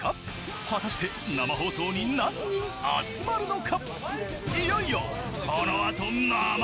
果たして、生放送に何人集まるのか。